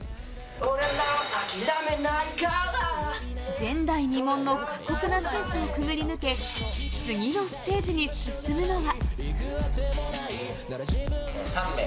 前代未聞の過酷な審査をくぐり抜け、次のステージに進むのは。